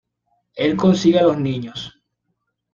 Él consigue a los niños".